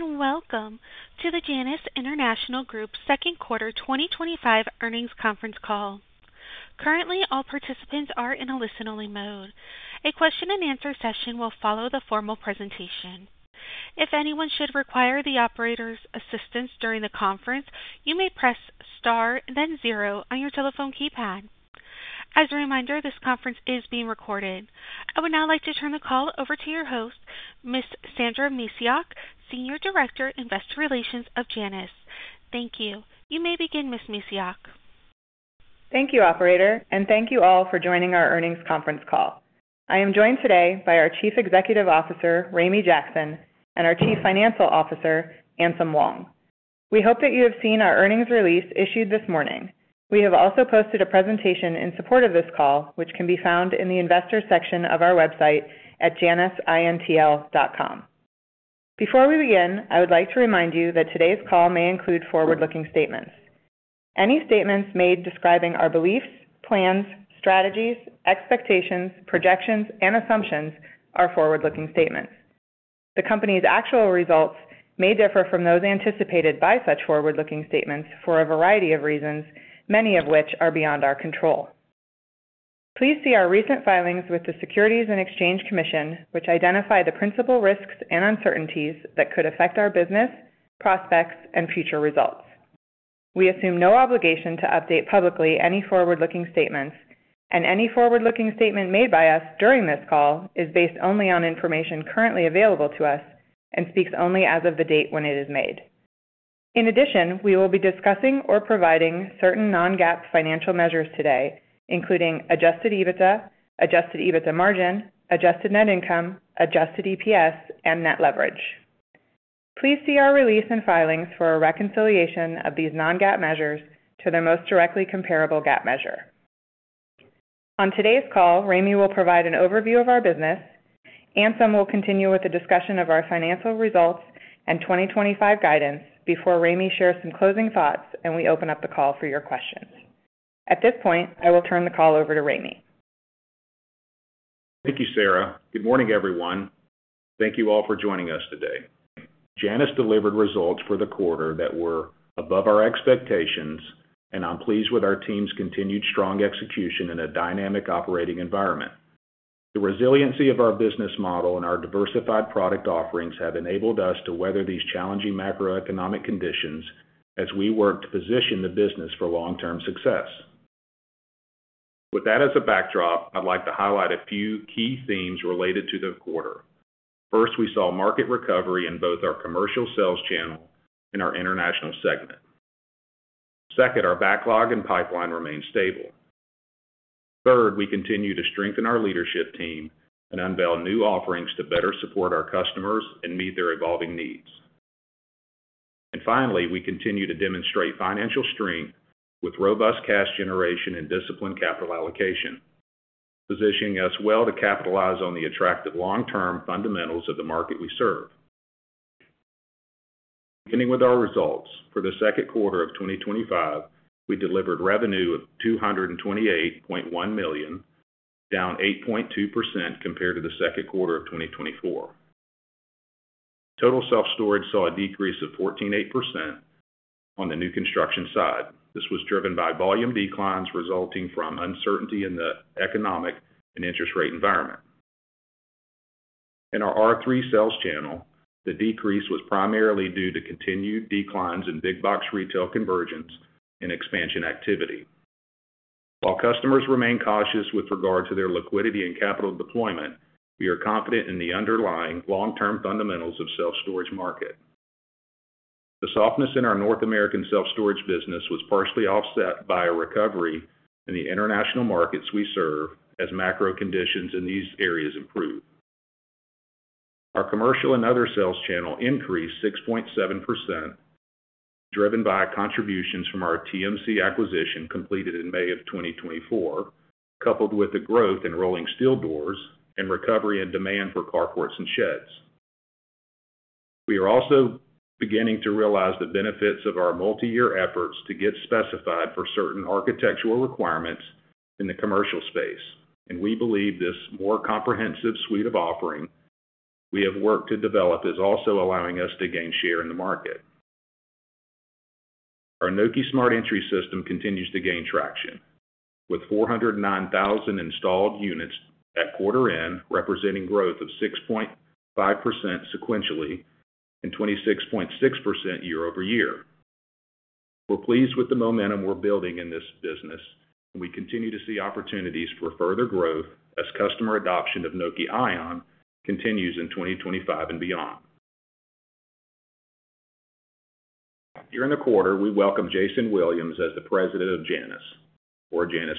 Welcome to the Janus International Group's second quarter 2025 earnings conference call. Currently, all participants are in a listen-only mode. A question and answer session will follow the formal presentation. If anyone should require the operator's assistance during the conference, you may press star and then zero on your telephone keypad. As a reminder, this conference is being recorded. I would now like to turn the call over to your host, Ms. Sandra Macioch, Senior Director, Investor Relations of Janus. Thank you. You may begin, Ms. Macioch. Thank you, Operator, and thank you all for joining our earnings conference call. I am joined today by our Chief Executive Officer, Ramey Jackson, and our Chief Financial Officer, Anselm Wong. We hope that you have seen our earnings release issued this morning. We have also posted a presentation in support of this call, which can be found in the Investors section of our website at janusintl.com. Before we begin, I would like to remind you that today's call may include forward-looking statements. Any statements made describing our beliefs, plans, strategies, expectations, projections, and assumptions are forward-looking statements. The company's actual results may differ from those anticipated by such forward-looking statements for a variety of reasons, many of which are beyond our control. Please see our recent filings with the Securities and Exchange Commission, which identify the principal risks and uncertainties that could affect our business, prospects, and future results. We assume no obligation to update publicly any forward-looking statements, and any forward-looking statement made by us during this call is based only on information currently available to us and speaks only as of the date when it is made. In addition, we will be discussing or providing certain non-GAAP financial measures today, including adjusted EBITDA, adjusted EBITDA margin, adjusted net income, adjusted EPS, and net leverage. Please see our release and filings for a reconciliation of these non-GAAP measures to their most directly comparable GAAP measure. On today's call, Ramey will provide an overview of our business. Anselm will continue with a discussion of our financial results and 2025 guidance before Ramey shares some closing thoughts and we open up the call for your questions. At this point, I will turn the call over to Ramey. Thank you, Sara. Good morning, everyone. Thank you all for joining us today. Janus delivered results for the quarter that were above our expectations, and I'm pleased with our team's continued strong execution in a dynamic operating environment. The resiliency of our business model and our diversified product offerings have enabled us to weather these challenging macroeconomic conditions as we work to position the business for long-term success. With that as a backdrop, I'd like to highlight a few key themes related to the quarter. First, we saw market recovery in both our commercial sales channel and our international segment. Second, our backlog and pipeline remain stable. Third, we continue to strengthen our leadership team and unveil new offerings to better support our customers and meet their evolving needs. Finally, we continue to demonstrate financial strength with robust cash generation and disciplined capital allocation, positioning us well to capitalize on the attractive long-term fundamentals of the market we serve. Beginning with our results for the second quarter of 2025, we delivered revenue of $228.1 million, down 8.2% compared to the second quarter of 2024. Total self-storage saw a decrease of 14.8% on the new construction side. This was driven by volume declines resulting from uncertainty in the economic and interest rate environment. In our R3 sales channel, the decrease was primarily due to continued declines in big-box retail convergence and expansion activity. While customers remain cautious with regard to their liquidity and capital deployment, we are confident in the underlying long-term fundamentals of the self-storage market. The softness in our North American self-storage business was partially offset by a recovery in the international markets we serve as macro conditions in these areas improve. Our commercial and other sales channel increased 6.7%, driven by contributions from our TMC acquisition completed in May of 2024, coupled with the growth in rolling steel doors and recovery in demand for carports and sheds. We are also beginning to realize the benefits of our multi-year efforts to get specified for certain architectural requirements in the commercial space, and we believe this more comprehensive suite of offerings we have worked to develop is also allowing us to gain share in the market. Our Noke Smart Entry system continues to gain traction, with 409,000 installed units at quarter end, representing growth of 6.5% sequentially and 26.6% year over year. We're pleased with the momentum we're building in this business, and we continue to see opportunities for further growth as customer adoption of Noke Ion continues in 2025 and beyond. In the quarter, we welcome Jason Williams as the President of Janus. In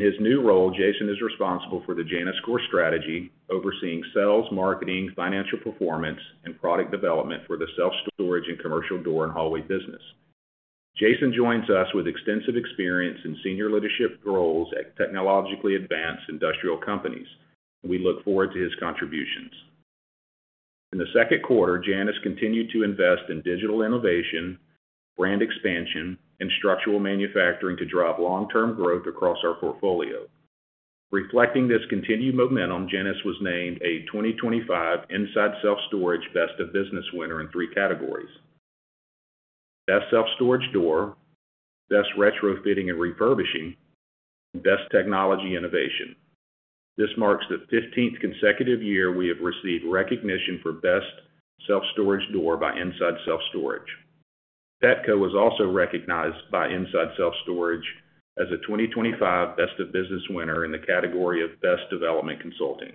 his new role, Jason is responsible for the Janus Core strategy, overseeing sales, marketing, financial performance, and product development for the self-storage and commercial door and hallway business. Jason joins us with extensive experience in senior leadership roles at technologically advanced industrial companies, and we look forward to his contributions. In the second quarter, Janus continued to invest in digital innovation, brand expansion, and structural manufacturing to drive long-term growth across our portfolio. Reflecting this continued momentum, Janus was named a 2025 Inside Self-Storage Best of Business winner in three categories: Best Self-Storage Door, Best Retrofitting and Refurbishing, and Best Technology Innovation. This marks the 15th consecutive year we have received recognition for Best Self-Storage Door by Inside Self-Storage. Petco was also recognized by Inside Self-Storage as a 2025 Best of Business winner in the category of Best Development Consulting.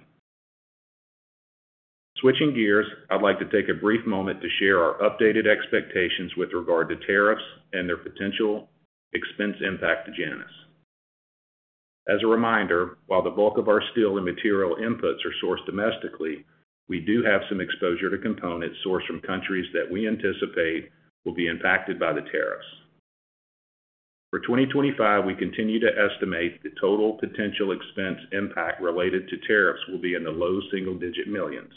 Switching gears, I'd like to take a brief moment to share our updated expectations with regard to tariffs and their potential expense impact to Janus. As a reminder, while the bulk of our steel and material inputs are sourced domestically, we do have some exposure to components sourced from countries that we anticipate will be impacted by the tariffs. For 2025, we continue to estimate the total potential expense impact related to tariffs will be in the low single-digit millions.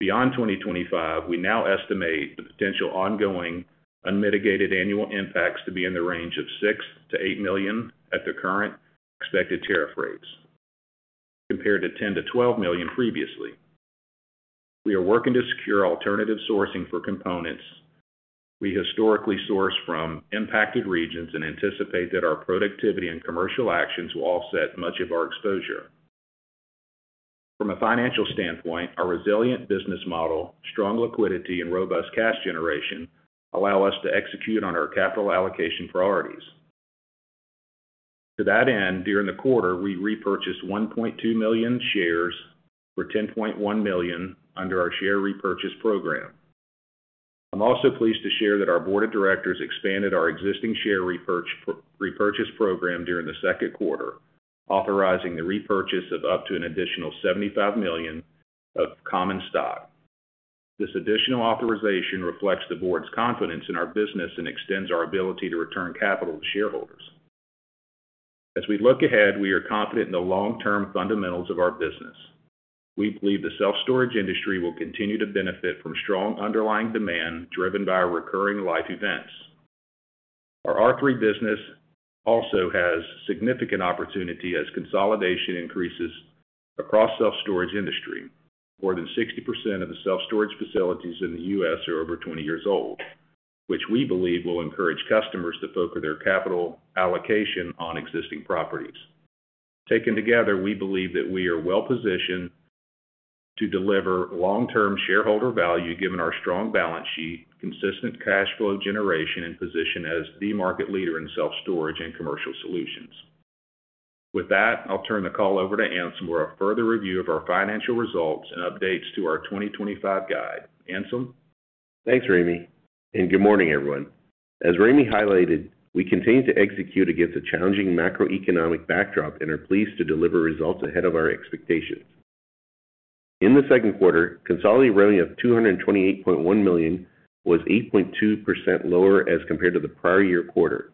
Beyond 2025, we now estimate the potential ongoing unmitigated annual impacts to be in the range of $6 to $8 million at the current expected tariff rates, compared to $10 to $12 million previously. We are working to secure alternative sourcing for components. We historically source from impacted regions and anticipate that our productivity and commercial actions will offset much of our exposure. From a financial standpoint, our resilient business model, strong liquidity, and robust cash generation allow us to execute on our capital allocation priorities. To that end, during the quarter, we repurchased 1.2 million shares for $10.1 million under our share repurchase program. I'm also pleased to share that our Board of Directors expanded our existing share repurchase program during the second quarter, authorizing the repurchase of up to an additional $75 million of common stock. This additional authorization reflects the Board's confidence in our business and extends our ability to return capital to shareholders. As we look ahead, we are confident in the long-term fundamentals of our business. We believe the self-storage industry will continue to benefit from strong underlying demand driven by recurring life events. Our R3 business also has significant opportunity as consolidation increases across the self-storage industry. More than 60% of the self-storage facilities in the U.S. are over 20 years old, which we believe will encourage customers to focus their capital allocation on existing properties. Taken together, we believe that we are well-positioned to deliver long-term shareholder value given our strong balance sheet, consistent cash flow generation, and position as the market leader in self-storage and commercial solutions. With that, I'll turn the call over to Anselm for a further review of our financial results and updates to our 2025 guide. Anselm? Thanks, Ramey, and good morning, everyone. As Ramey highlighted, we continue to execute against a challenging macroeconomic backdrop and are pleased to deliver results ahead of our expectations. In the second quarter, consolidated revenue of $228.1 million was 8.2% lower as compared to the prior year quarter.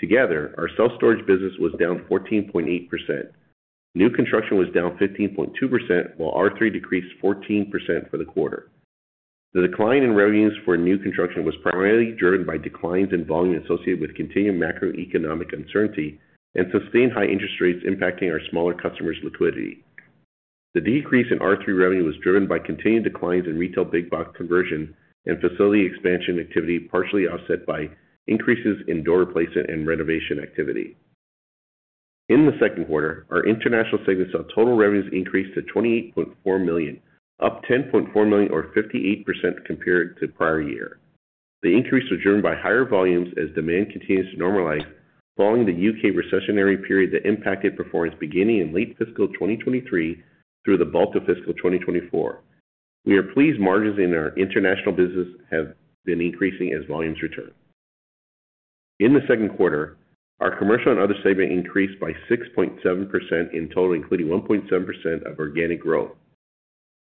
Together, our self-storage business was down 14.8%. New construction was down 15.2%, while R3 decreased 14% for the quarter. The decline in revenues for new construction was primarily driven by declines in volume associated with continued macroeconomic uncertainty and sustained high interest rates impacting our smaller customers' liquidity. The decrease in R3 revenue was driven by continued declines in retail big-box conversion and facility expansion activity, partially offset by increases in door replacement and renovation activity. In the second quarter, our international segment saw total revenues increase to $28.4 million, up $10.4 million or 58% compared to the prior year. The increase was driven by higher volumes as demand continues to normalize following the UK recessionary period that impacted performance beginning in late fiscal 2023 through the bulk of fiscal 2024. We are pleased margins in our international business have been increasing as volumes return. In the second quarter, our commercial and other segment increased by 6.7% in total, including 1.7% of organic growth.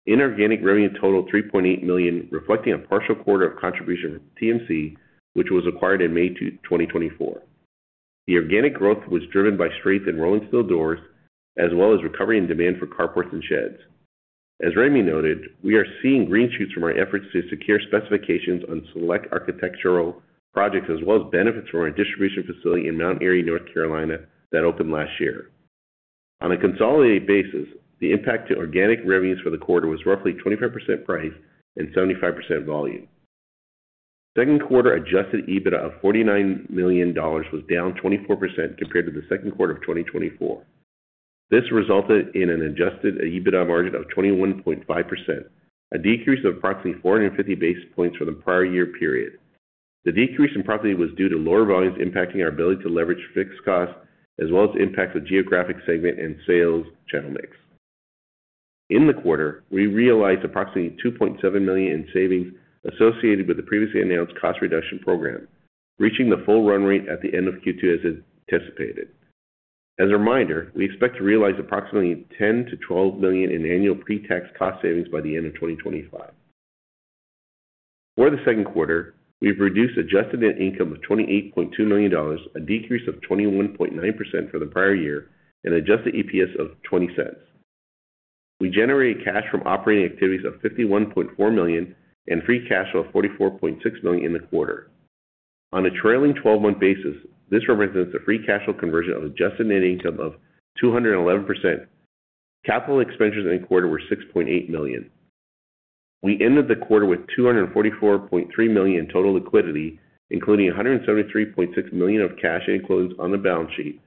Inorganic revenue totaled $3.8 million, reflecting a partial quarter of contribution from TMC, which was acquired in May 2024. The organic growth was driven by strength in rolling steel doors, as well as recovery in demand for carports and sheds. As Ramey noted, we are seeing green shoots from our efforts to secure specifications on select architectural projects, as well as benefits from our distribution facility in Mount Airy, North Carolina, that opened last year. On a consolidated basis, the impact to organic revenues for the quarter was roughly 25% price and 75% volume. The second quarter adjusted EBITDA of $49 million was down 24% compared to the second quarter of 2024. This resulted in an adjusted EBITDA margin of 21.5%, a decrease of approximately 450 basis points from the prior year period. The decrease in profitability was due to lower volumes impacting our ability to leverage fixed costs, as well as the impacts of geographic segment and sales channel mix. In the quarter, we realized approximately $2.7 million in savings associated with the previously announced cost reduction program, reaching the full run rate at the end of Q2 as anticipated. As a reminder, we expect to realize approximately $10 to $12 million in annual pre-tax cost savings by the end of 2025. For the second quarter, we've reduced adjusted net income of $28.2 million, a decrease of 21.9% from the prior year, and adjusted EPS of $0.20. We generated cash from operating activities of $51.4 million and free cash flow of $44.6 million in the quarter. On a trailing 12-month basis, this represents a free cash flow conversion of adjusted net income of 211%. Capital expenses in the quarter were $6.8 million. We ended the quarter with $244.3 million in total liquidity, including $173.6 million of cash on the balance sheet.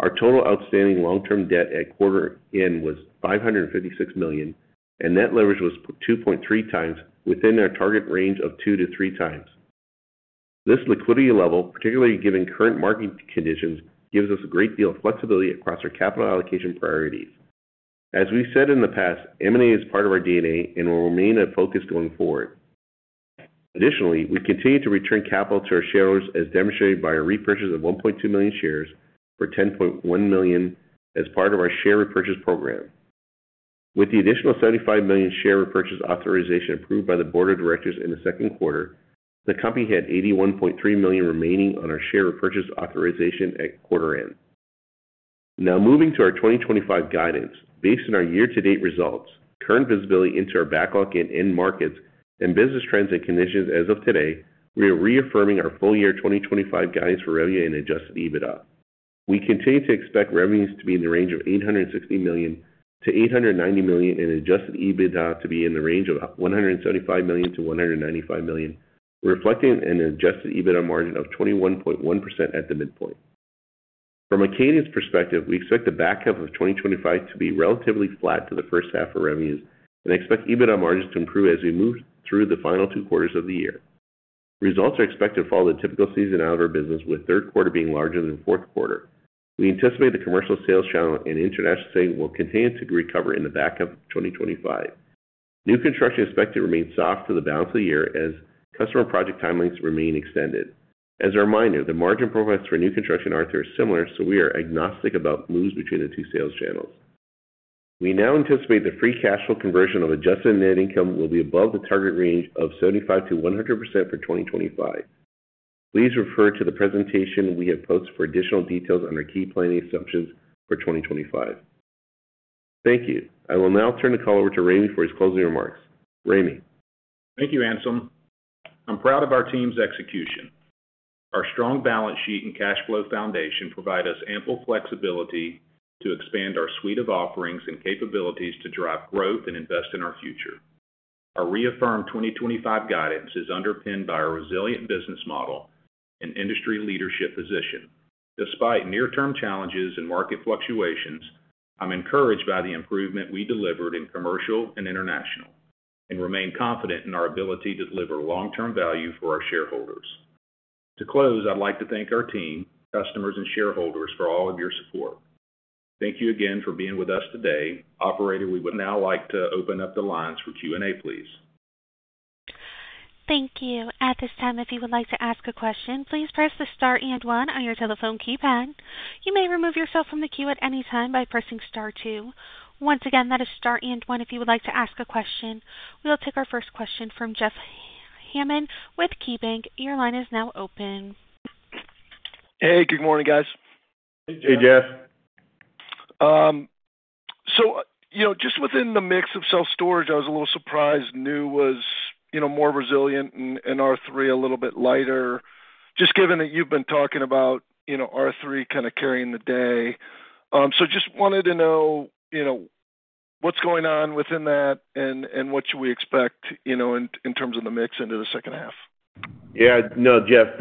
Our total outstanding long-term debt at quarter end was $556 million, and net leverage was 2.3 times within our target range of 2 to 3 times. This liquidity level, particularly given current market conditions, gives us a great deal of flexibility across our capital allocation priorities. As we've said in the past, M&A is part of our DNA and will remain a focus going forward. Additionally, we continue to return capital to our shareholders as demonstrated by a repurchase of 1.2 million shares for $10.1 million as part of our share repurchase program. With the additional $75 million share repurchase authorization approved by the Board of Directors in the second quarter, the company had $81.3 million remaining on our share repurchase authorization at quarter end. Now moving to our 2025 guidance, based on our year-to-date results, current visibility into our backlog in end markets, and business trends and conditions as of today, we are reaffirming our full-year 2025 guidance for revenue and adjusted EBITDA. We continue to expect revenues to be in the range of $860 million to $890 million and adjusted EBITDA to be in the range of $175 million to $195 million, reflecting an adjusted EBITDA margin of 21.1% at the midpoint. From a cadence perspective, we expect the back half of 2025 to be relatively flat to the first half of revenues and expect EBITDA margins to improve as we move through the final two quarters of the year. Results are expected to follow the typical season out of our business, with the third quarter being larger than the fourth quarter. We anticipate the commercial sales channel and international segment will continue to recover in the back half of 2025. New construction is expected to remain soft for the balance of the year as customer project timelines remain extended. As a reminder, the margin profiles for new construction and R3 are similar, so we are agnostic about moves between the two sales channels. We now anticipate the free cash flow conversion of adjusted net income will be above the target range of 75% to 100% for 2025. Please refer to the presentation we have posted for additional details on our key planning assumptions for 2025. Thank you. I will now turn the call over to Ramey for his closing remarks. Ramey. Thank you, Anselm, I'm proud of our team's execution. Our strong balance sheet and cash flow foundation provide us ample flexibility to expand our suite of offerings and capabilities to drive growth and invest in our future. Our reaffirmed 2025 guidance is underpinned by our resilient business model and industry leadership position. Despite near-term challenges and market fluctuations, I'm encouraged by the improvement we delivered in commercial and international and remain confident in our ability to deliver long-term value for our shareholders. To close, I'd like to thank our team, customers, and shareholders for all of your support. Thank you again for being with us today. Operator, we would now like to open up the lines for Q&A, please. Thank you. At this time, if you would like to ask a question, please press the star and one on your telephone keypad. You may remove yourself from the queue at any time by pressing star two. Once again, that is star and one. If you would like to ask a question, we'll take our first question from Jeff Hammond with KeyBanc Capital Markets. Your line is now open. Hey, good morning, guys. Hey, Jeff. Within the mix of self-storage, I was a little surprised new was more resilient and R3 a little bit lighter, just given that you've been talking about R3 kind of carrying the day. I just wanted to know what's going on within that and what should we expect in terms of the mix into the second half? Yeah, no, Jeff,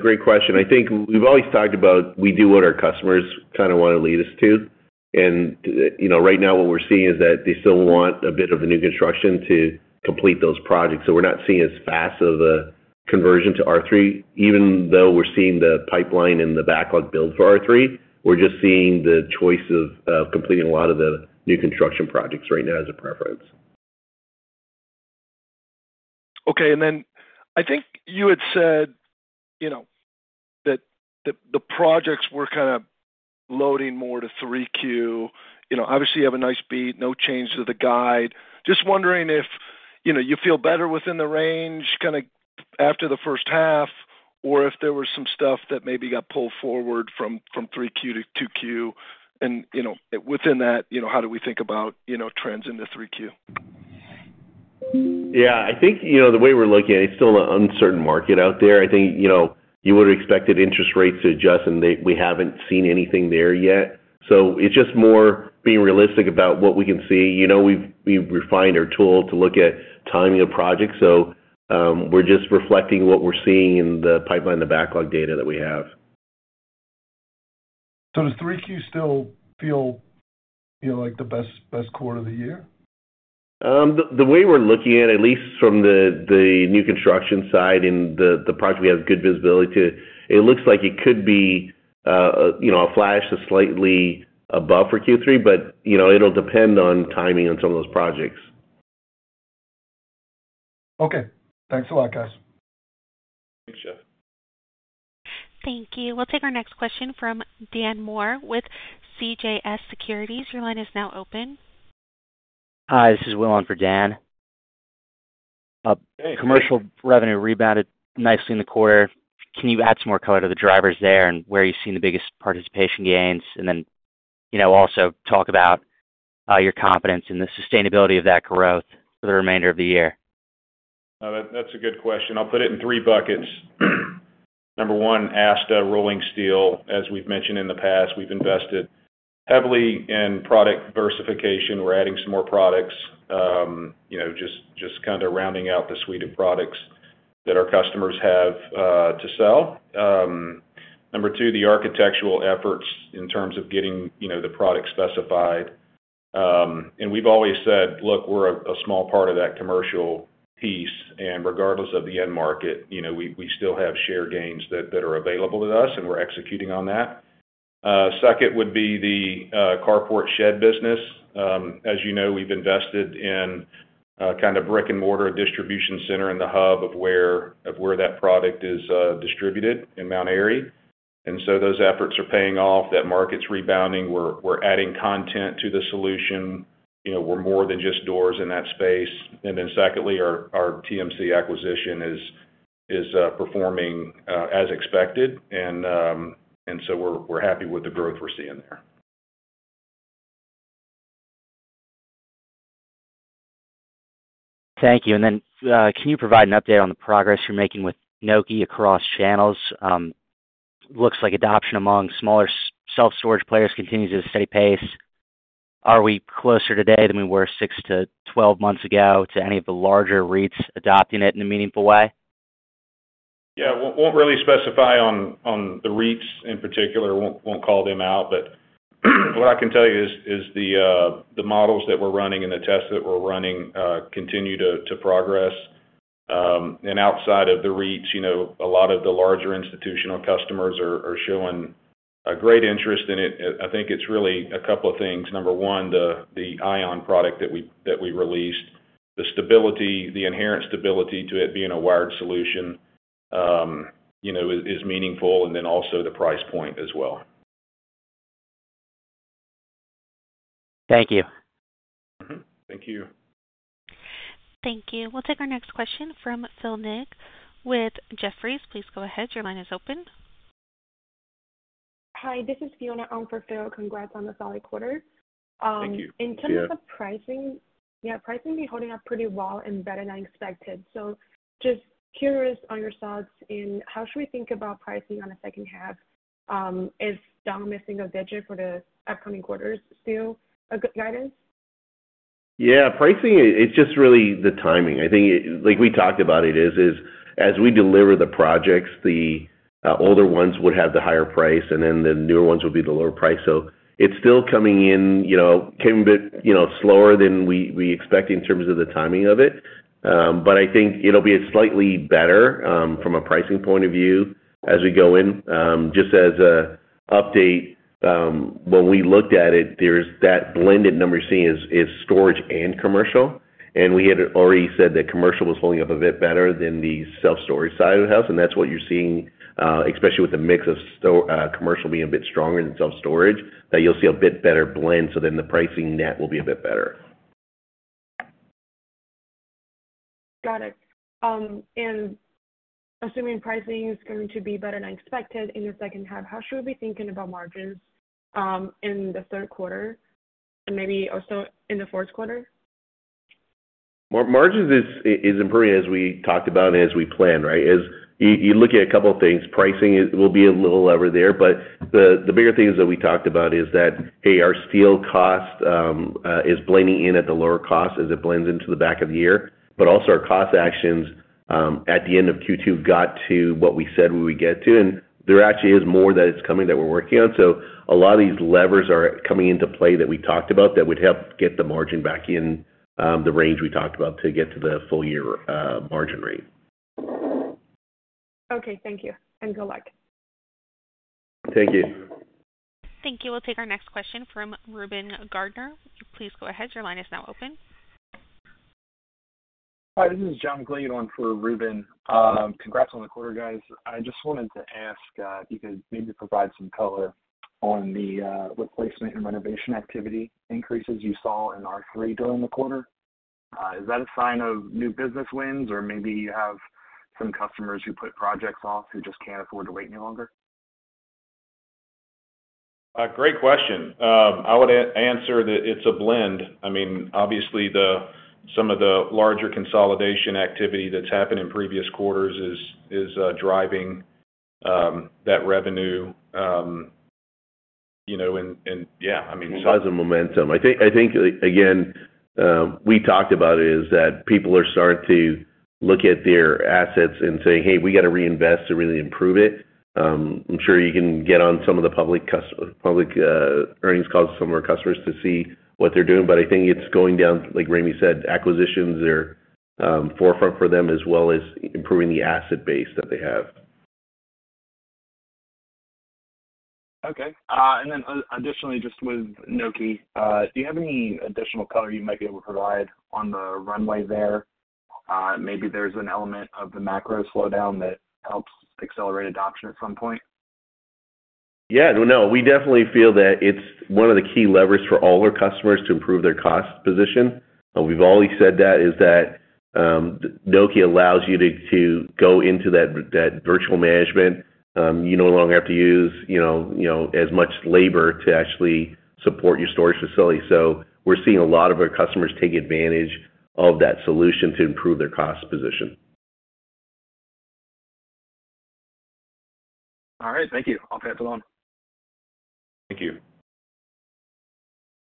great question. I think we've always talked about we do what our customers kind of want to lead us to. You know, right now what we're seeing is that they still want a bit of the new construction to complete those projects. We're not seeing as fast of a conversion to R3, even though we're seeing the pipeline and the backlog build for R3. We're just seeing the choice of completing a lot of the new construction projects right now as a preference. Okay. I think you had said that the projects were kind of loading more to 3Q. Obviously, you have a nice beat, no change to the guide. Just wondering if you feel better within the range kind of after the first half or if there was some stuff that maybe got pulled forward from 3Q to 2Q. Within that, how do we think about trends in the 3Q? I think the way we're looking at it, it's still an uncertain market out there. I think you would have expected interest rates to adjust and we haven't seen anything there yet. It's just more being realistic about what we can see. We've refined our tool to look at timing of projects. We're just reflecting what we're seeing in the pipeline and the backlog data that we have. Does Q3 still feel, you know, like the best quarter of the year? The way we're looking at it, at least from the new construction side and the projects we have good visibility to, it looks like it could be, you know, a flat to slightly above for Q3, but you know, it'll depend on timing on some of those projects. Okay, thanks a lot, guys. Thanks, Jeff. Thank you. We'll take our next question from Dan Moore with CJS Securities. Your line is now open. Hi, this is Will not for Dan. Commercial revenue rebounded nicely in the quarter. Can you add some more color to the drivers there and where you've seen the biggest participation gains? Also, talk about your confidence in the sustainability of that growth for the remainder of the year. That's a good question. I'll put it in three buckets. Number one, as to rolling steel. As we've mentioned in the past, we've invested heavily in product diversification. We're adding some more products, just kind of rounding out the suite of products that our customers have to sell. Number two, the architectural efforts in terms of getting the product specified. We've always said, look, we're a small part of that commercial piece. Regardless of the end market, we still have share gains that are available to us and we're executing on that. Second would be the carports shed business. As you know, we've invested in kind of brick-and-mortar distribution center in the hub of where that product is distributed in Mount Airy. Those efforts are paying off. That market's rebounding. We're adding content to the solution. We're more than just doors in that space. Secondly, our TMC acquisition is performing as expected. We're happy with the growth we're seeing there. Thank you. Can you provide an update on the progress you're making with the Noke Smart Entry system across channels? It looks like adoption among smaller self-storage players continues at a steady pace. Are we closer today than we were six to 12 months ago to any of the larger REITs adopting it in a meaningful way? Yeah, won't really specify on the REITs in particular. Won't call them out. What I can tell you is the models that we're running and the tests that we're running continue to progress. Outside of the REITs, a lot of the larger institutional customers are showing a great interest in it. I think it's really a couple of things. Number one, the Noke Ion product that we released, the stability, the inherent stability to it being a wired solution, is meaningful. Also, the price point as well. Thank you. Thank you. Thank you. We'll take our next question from Philip Ng with Jefferies. Please go ahead. Your line is open. Hi, this is Fiona Shang from Janus International Group. Congrats on the solid quarter. Thank you. In terms of pricing, yeah, pricing is holding up pretty well and better than I expected. Just curious on your thoughts and how should we think about pricing on the second half. Is down missing a digit for the upcoming quarters still a good guidance? Yeah, pricing is just really the timing. I think, like we talked about, it is as we deliver the projects, the older ones would have the higher price, and then the newer ones would be the lower price. It's still coming in, you know, came a bit slower than we expect in terms of the timing of it. I think it'll be slightly better from a pricing point of view as we go in. Just as an update, when we looked at it, there's that blended number you're seeing is storage and commercial. We had already said that commercial was holding up a bit better than the self-storage side of the house. That's what you're seeing, especially with the mix of commercial being a bit stronger than self-storage, that you'll see a bit better blend. The pricing net will be a bit better. Got it. Assuming pricing is going to be better than expected in the second half, how should we be thinking about margins in the third quarter and maybe also in the fourth quarter? Margins is improving as we talked about and as we plan, right? As you look at a couple of things, pricing will be a little lower there. The bigger things that we talked about is that, hey, our steel cost is blending in at the lower cost as it blends into the back of the year. Also, our cost actions at the end of Q2 got to what we said we would get to. There actually is more that it's coming that we're working on. A lot of these levers are coming into play that we talked about that would help get the margin back in the range we talked about to get to the full-year margin rate. Okay, thank you and good luck. Thank you. Thank you. We'll take our next question from Reuben Gardner. Please go ahead. Your line is now open. Hi, this is John Lovallo not for Reuben. Congrats on the quarter, guys. I just wanted to ask because we need to provide some color on the replacement and renovation activity increases you saw in R3 during the quarter. Is that a sign of new business wins or maybe you have some customers who put projects off who just can't afford to wait any longer? Great question. I would answer that it's a blend. Obviously, some of the larger consolidation activity that's happened in previous quarters is driving that revenue. Yeah, I mean. Size of momentum. I think, again, we talked about it is that people are starting to look at their assets and say, "Hey, we got to reinvest to really improve it." I'm sure you can get on some of the public earnings calls with some of our customers to see what they're doing. I think it's going down, like Ramey said, acquisitions are forefront for them as well as improving the asset base that they have. Okay. Additionally, just with Noke, do you have any additional color you might be able to provide on the runway there? Maybe there's an element of the macro slowdown that helps accelerate adoption at some point. We definitely feel that it's one of the key levers for all of our customers to improve their cost position. We've always said that is that Noke allows you to go into that virtual management. You no longer have to use, you know, as much labor to actually support your storage facility. We're seeing a lot of our customers take advantage of that solution to improve their cost position. All right. Thank you. I'll pass it on. Thank you.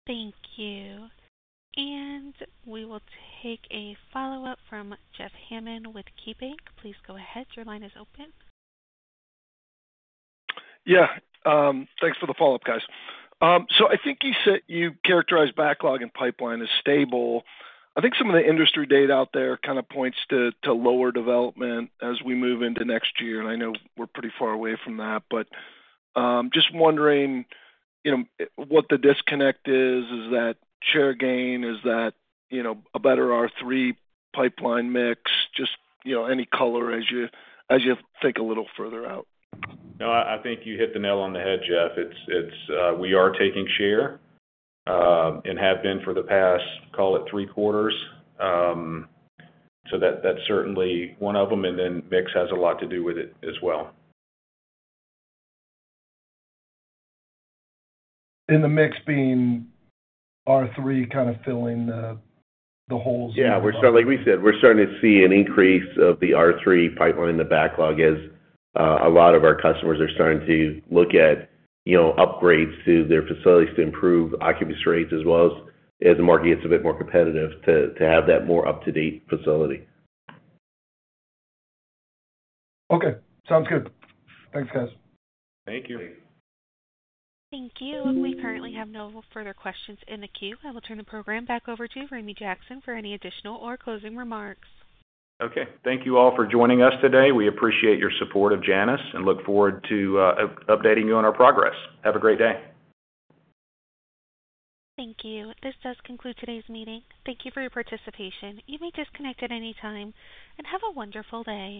Thank you. We will take a follow-up from Jeff Hammond with KeyBanc Capital Markets. Please go ahead. Your line is open. Thank you for the follow-up, guys. I think you said you characterize backlog and pipeline as stable. I think some of the industry data out there points to lower development as we move into next year. I know we're pretty far away from that, but just wondering what the disconnect is. Is that share gain? Is that a better R3 pipeline mix? Any color as you think a little further out? No, I think you hit the nail on the head, Jeff. We are taking share, and have been for the past, call it, three quarters. That is certainly one of them. Mix has a lot to do with it as well. In the mix being R3 kind of filling the holes? Yeah, like we said, we're starting to see an increase of the R3 pipeline in the backlog as a lot of our customers are starting to look at, you know, upgrades to their facilities to improve occupancy rates as well as the market gets a bit more competitive to have that more up-to-date facility. Okay. Sounds good. Thanks, guys. Thank you. Thanks. Thank you. We currently have no further questions in the queue. I will turn the program back over to Ramey Jackson for any additional or closing remarks. Okay. Thank you all for joining us today. We appreciate your support of Janus International Group and look forward to updating you on our progress. Have a great day. Thank you. This does conclude today's meeting. Thank you for your participation. You may disconnect at any time and have a wonderful day.